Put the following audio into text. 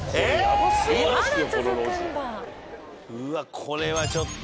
うわっこれはちょっと。